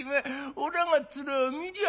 おらが面見りゃ